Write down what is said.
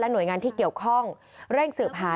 หน่วยงานที่เกี่ยวข้องเร่งสืบหา